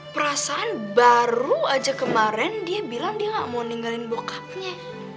perasaan baru aja kemarin dia bilang dia gak mau ninggalin bokapnya